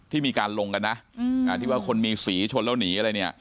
ที่มีการลงกันฮะอืมอาทิตย์ว่าคนมีสีชนแล้วหนีอะไรนี้